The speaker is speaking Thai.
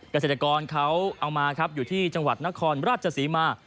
เกษตรกรเขาเอามาครับอยู่ที่จังหวัดนครราชศรีมา